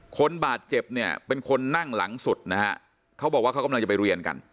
คนบาดเจ็บเนี่ยเป็นคนนั่งหลังสุดนะฮะเขาบอกว่าเขากำลังจะไปเรียนกัน